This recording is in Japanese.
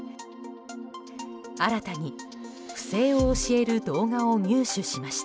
新たに、不正を教える動画を入手しました。